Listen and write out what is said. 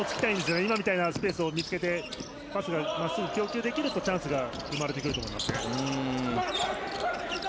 今みたいなスペースを見つけてパスが真っすぐ供給できるとチャンスが生まれてくると思いますね。